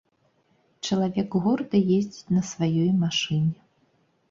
Чалавек горда ездзіць на сваёй машыне.